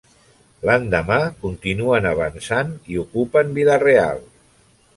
L'endemà continuen avançant i ocupen Vila-real.